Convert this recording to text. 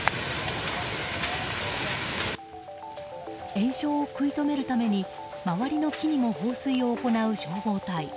延焼を食い止めるために周りの木にも放水を行う消防隊。